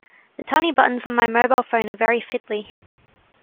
The tiny buttons on my mobile phone are very fiddly